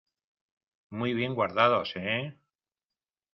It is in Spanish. muy bien guardados, ¿ eh?